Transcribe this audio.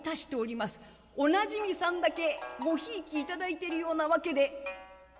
おなじみさんだけごひいきいただいてるようなわけで」。